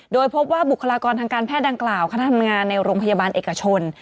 โดยพบว่าบุคลากรทางการแพทย์ดังกล่าวคณะทำงานในโรงพยาบาลเอกชน